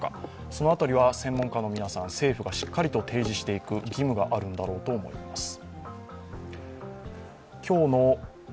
その辺りは専門家の皆さん、政府がしっかりと提示していく義務があるんだろうと思います。